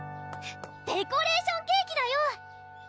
デコレーションケーキだよ！